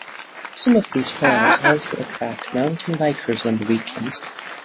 Some of these trails also attract mountain bikers on the weekends.